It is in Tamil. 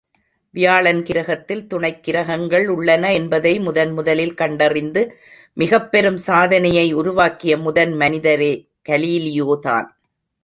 வியாழன் கிரகத்தில் துணை கிரகங்கள் உள்ளன என்பதை முதன்முதலில் கண்டறிந்து மிகப்பெரும் சாதனையை உருவாக்கிய முதன் மனிதரே கலீலியோதான்!